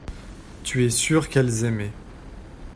Tu es sûr qu’elles aimaient.